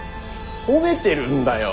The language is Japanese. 褒めてるんだよ。